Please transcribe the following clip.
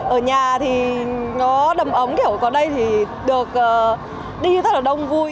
ở nhà thì nó đầm ấm còn đây thì được đi rất là đông vui